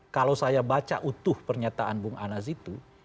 kalau saya baca utuh pernyataan bung anas itu